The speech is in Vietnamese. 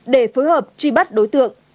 để phối hợp truy bắt đối tượng